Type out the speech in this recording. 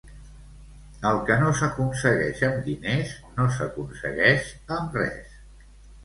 El que no s'aconsegueix amb diners no s'aconsegueix amb res.